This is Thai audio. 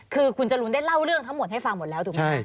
คือคุณจรูนได้เล่าเรื่องทั้งหมดให้ฟังหมดแล้วถูกไหม